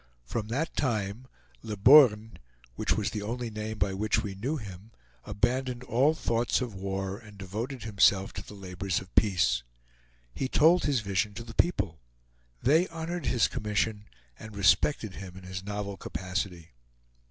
From that time, Le Borgne, which was the only name by which we knew him, abandoned all thoughts of war and devoted himself to the labors of peace. He told his vision to the people. They honored his commission and respected him in his novel capacity.